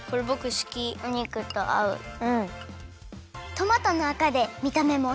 トマトのあかでみためもおしゃれ！